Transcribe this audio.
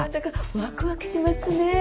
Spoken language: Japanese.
ワクワクしますねぇ。